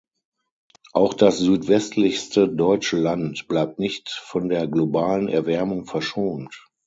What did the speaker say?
Auch das südwestlichste deutsche Land bleibt nicht von der globalen Erwärmung verschont.